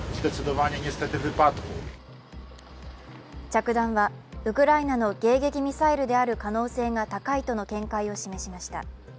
着弾はウクライナの迎撃ミサイルである可能性が高いとの見解を示しました。